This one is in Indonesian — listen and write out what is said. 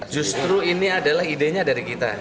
justru ini adalah idenya dari kita